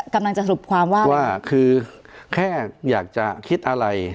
กำลังจะสรุปความว่าว่าคือแค่อยากจะคิดอะไร